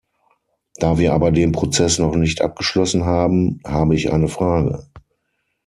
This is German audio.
Da wir aber den Prozess noch nicht abgeschlossen haben, habe ich eine Frage.